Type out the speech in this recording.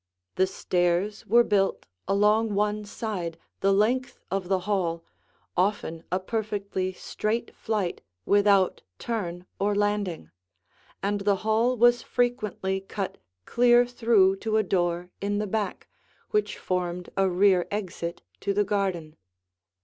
The stairs were built along one side, the length of the hall, often a perfectly straight flight without turn or landing, and the hall was frequently cut clear through to a door in the back, which formed a rear exit to the garden.